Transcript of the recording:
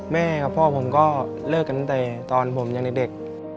แม่กับพ่อผมก็เลิกกันตั้งแต่ตอนผมยังเด็ก